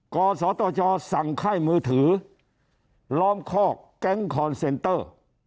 กศตชสั่งค่ายมือถือล้อมคอกแก๊งคอนเซนเตอร์